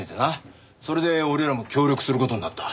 それで俺らも協力する事になった。